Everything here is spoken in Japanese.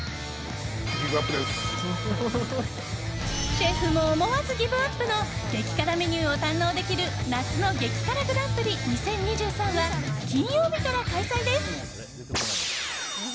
シェフも思わずギブアップの激辛メニューを堪能できる夏の激辛グランプリ２０２３は金曜日から開催です。